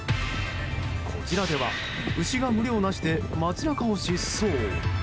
こちらでは牛が群れを成して街中を疾走。